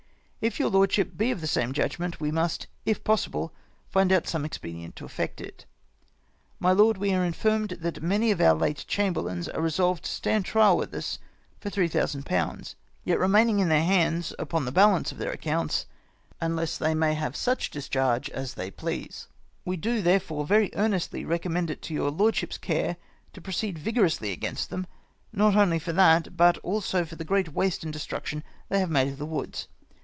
If your lordship be of the same judgment, we must (if possible) find out some expedient to effect it, " My lord, we are informed that many of our late chamber lains are resolved to stand trial with us for 3000/ . yet remain ing in their hands upon the balance of their accounts, unless they may have such discharge as they please. " We do, therefore, very earnestly recommend it to your lordship's care to' proceed vigorously against them, not only for that, but also for the great waste and destruction they have made of the woods.